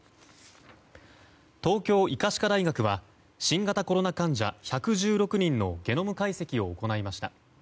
東京医科歯科大学は新型コロナ患者１１６人のゲノム解析を行いました。